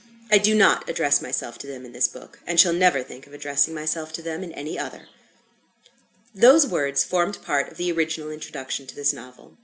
I do not address myself to them in this book, and shall never think of addressing myself to them in any other. Those words formed part of the original introduction to this novel.